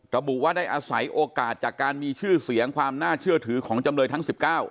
ระบุว่าได้อาศัยโอกาสจากการมีชื่อเสียงความน่าเชื่อถือของจำเลยทั้ง๑๙